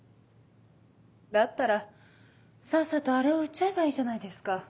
だったらさっさとあれを売っちゃえばいいじゃないですか。